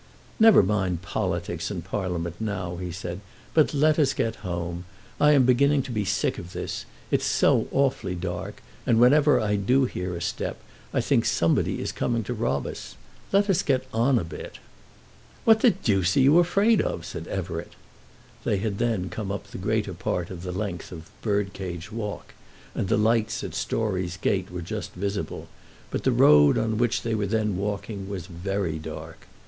"Never mind politics and Parliament now," he said, "but let us get home. I am beginning to be sick of this. It's so awfully dark, and whenever I do hear a step, I think somebody is coming to rob us. Let us get on a bit." "What the deuce are you afraid of?" said Everett. They had then come up the greater part of the length of the Birdcage Walk, and the lights at Storey's Gate were just visible, but the road on which they were then walking was very dark.